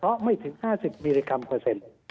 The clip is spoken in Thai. เพราะไม่ถึงคร่าสิบมิลลิกรัมควอเซนต์